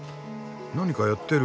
何かやってる。